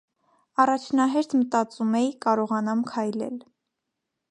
Առաջնահերթ մտածում էի՝ կարողանամ քայլել։